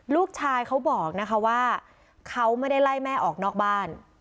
ลูกชายเขาบอกว่าเขาไม่ได้ไล่แม่ออกนอกบ้าน